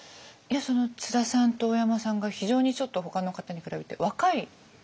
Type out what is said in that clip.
その津田さんと大山さんが非常にちょっとほかの方に比べて若い印象。